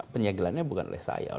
penyegelannya bukan oleh saya